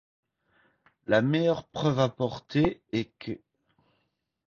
La meilleure preuve apportée est qu'.